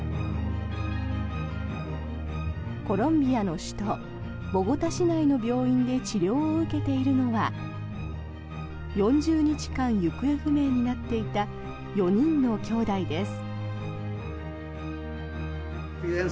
コロンビアの首都ボゴタ市内の病院で治療を受けているのは４０日間、行方不明になっていた４人のきょうだいです。